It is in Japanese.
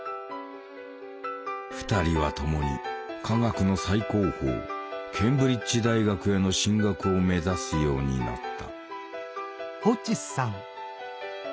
２人は共に科学の最高峰ケンブリッジ大学への進学を目指すようになった。